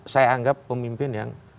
saya anggap pemimpin yang